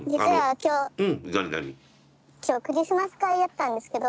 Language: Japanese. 今日クリスマス会やったんですけど。